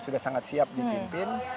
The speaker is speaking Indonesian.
sudah sangat siap dipimpin